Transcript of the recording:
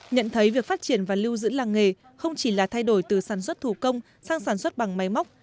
nhận thấy việc phát triển và lưu giữ làng nghề không chỉ là thay đổi từ sản xuất thủ công sang sản xuất bằng máy móc